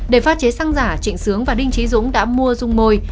để pha chế xăng giả trịnh sướng và đinh trí dũng đã mua dung môi